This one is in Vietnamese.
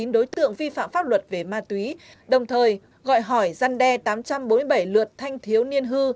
bốn mươi chín đối tượng vi phạm pháp luật về ma túy đồng thời gọi hỏi răn đe tám trăm bốn mươi bảy luật thanh thiếu niên hư